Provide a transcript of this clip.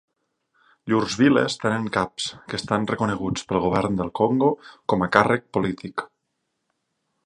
Llurs viles tenen caps, que estan reconeguts pel govern del Congo com a càrrec polític.